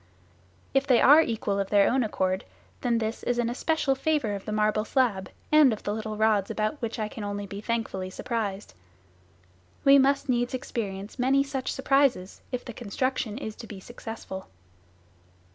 If they are equal of their own accord, then this is an especial favour of the marble slab and of the little rods, about which I can only be thankfully surprised. We must experience many such surprises if the construction is to be successful.